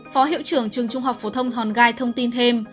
phó hiệu trưởng trường trung học phổ thông hòn gai thông tin thêm